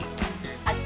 「あっち！